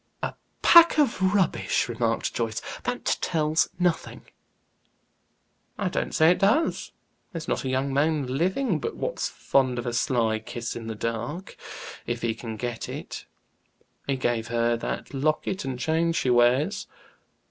"A pack of rubbish!" remarked Joyce. "That tells nothing." "I don't say it does. There's not a young man living but what's fond of a sly kiss in the dark, if he can get it. He gave her that locket and chain she wears."